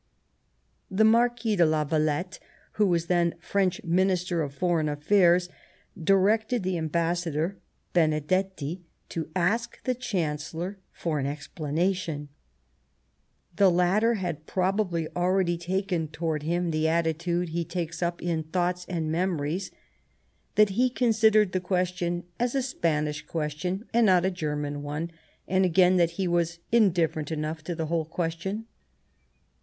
The Marquis de la Valette, who was then French Minister of Foreign Affairs, directed the Ambassador, Benedetti, to ask the Chancellor for an explanation ; the latter had probably already taken towards him the attitude he takes up in " Thoughts and Memories" — that he considered the question "as a Spanish question, and not a German one "; and again, that he was " indifferent enough to the whole question."